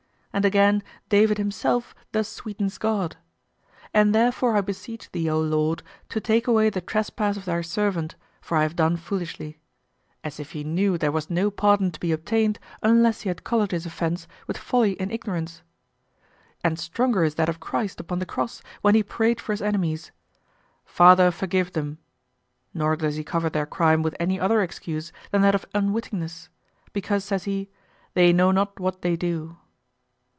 And again, David himself thus sweetens God, "And therefore I beseech thee, O Lord, to take away the trespass of thy servant, for I have done foolishly," as if he knew there was no pardon to be obtained unless he had colored his offense with folly and ignorance. And stronger is that of Christ upon the cross when he prayed for his enemies, "Father, forgive them," nor does he cover their crime with any other excuse than that of unwittingness because, says he, "they know not what they do."